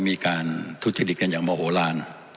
มีการทุจริกจากมหโหร่า